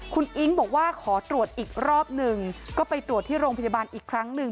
คุณอิ๊งบอกว่าขอตรวจอีกรอบหนึ่งก็ไปตรวจที่โรงพยาบาลอีกครั้งหนึ่ง